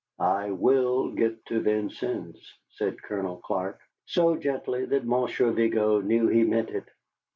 "I will get to Vincennes," said Colonel Clark, so gently that Monsieur Vigo knew he meant it.